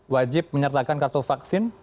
wajib menyertakan kartu vaksin